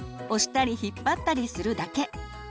押したり引っ張ったりするだけ。